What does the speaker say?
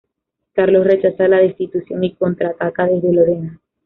Carlos rechaza la destitución y contraataca desde Lorena.